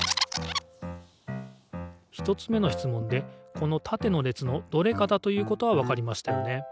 １つ目の質問でこのたての列のどれかだということはわかりましたよね。